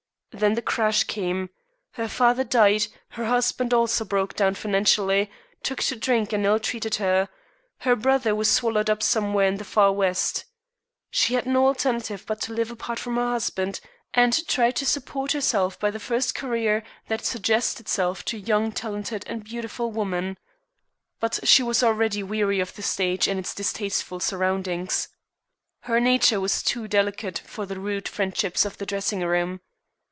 Then the crash came. Her father died; her husband also broke down financially, took to drink and ill treated her; her brother was swallowed up somewhere in the Far West. She had no alternative but to live apart from her husband and try to support herself by the first career that suggests itself to a young, talented, and beautiful woman. But she was already weary of the stage and its distasteful surroundings. Her nature was too delicate for the rude friendships of the dressing room.